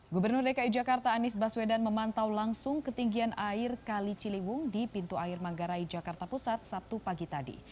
gubernur dki jakarta anies baswedan memantau langsung ketinggian air kali ciliwung di pintu air manggarai jakarta pusat sabtu pagi tadi